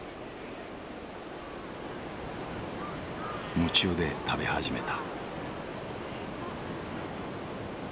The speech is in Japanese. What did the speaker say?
夢中で食べ始めた。